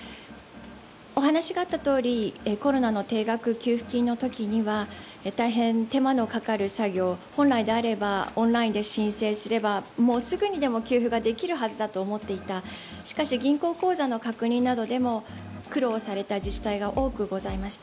お話があったとおりコロナの定額給付金のときには大変、手間のかかる作業、本来であればオンラインで申請すればすぐにでも給付ができるはずだと思っていた、しかし銀行口座の確認などでも苦労された自治体が多くございました。